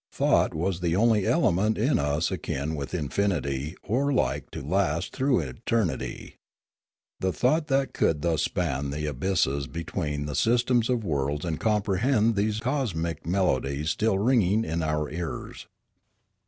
Thought was the only element in us akin with infinity or like to last through eternity, the thought that could thus span the abysses between the systems of worlds and comprehend these cosmic melo dies still ringing in our ears.